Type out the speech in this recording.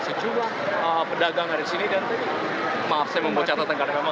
kemudian dilakukannya karena saya sudah mencobanya sudah lubangnyaonie ter templell